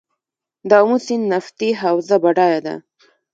د امو سیند نفتي حوزه بډایه ده؟